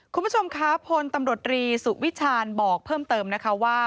คุณผู้ชมคะพลตำรวจรีสุวิชาณบอกเพิ่มเติมนะคะว่า